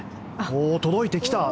届いてきた。